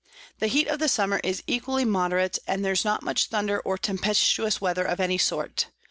The Heat of the Summer is equally moderate, and there's not much Thunder or tempestuous Weather of any sort.